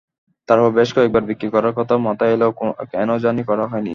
তারপর বেশ কয়েকবার বিক্রি করার কথা মাথায় এলেও কেন জানি করা হয়নি।